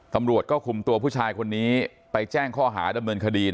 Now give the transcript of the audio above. ตำรวจก็คุมตัวผู้ชายคนนี้ไปแจ้งข้อหาดำเนินคดี